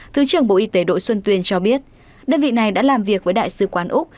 thứ trưởng bộ y tế đội xuân tuyên cho biết đơn vị này đã làm việc với đại sứ quán úc